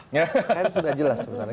kan sudah jelas sebenarnya